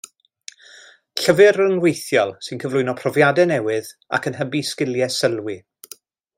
Llyfr rhyngweithiol sy'n cyflwyno profiadau newydd ac yn hybu sgiliau sylwi.